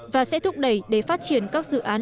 và sẽ thúc đẩy để phát triển các dự án